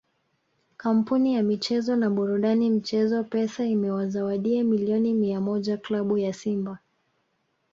Kampuni ya michezo na burudani mchezo Pesa imewazawadia milioni mia moja klabu ya Simba